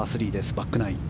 バックナイン。